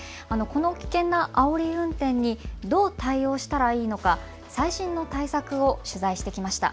この危険なあおり運転にどう対応したらいいのか最新の対策を取材してきました。